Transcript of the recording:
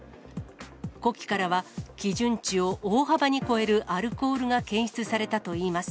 呼気からは基準値を大幅に超えるアルコールが検出されたといいます。